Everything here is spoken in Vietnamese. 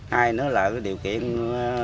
hai nữa là điều kiện nông